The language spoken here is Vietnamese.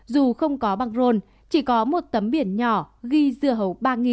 dù không có băng rôn chỉ có một tấm biển nhỏ ghi dưa hấu ba